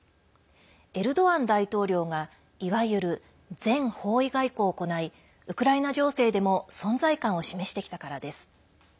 エルドアン大統領がいわゆる全方位外交を行いウクライナ情勢でも存在感を示してきたからです。